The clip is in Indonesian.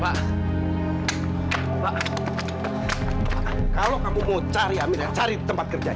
pak pak kalau kamu mau cari amira cari tempat kerjaan